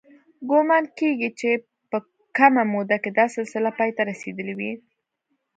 ګومان کېږي چې په کمه موده کې دا سلسله پای ته رسېدلې وي.